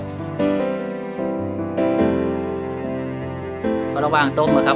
ไม่ได้หลอกลูกค้าหวานโดยธรรมชาติครับ